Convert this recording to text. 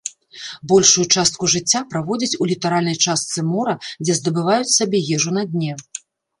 Большую частку жыцця праводзяць у літаральнай частцы мора, дзе здабываюць сабе ежу на дне.